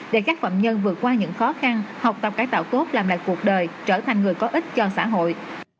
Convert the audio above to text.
để các phạm nhân vượt qua những khó khăn học tập cải tạo tốt làm lại cuộc đời trở thành người có ích cho xã hội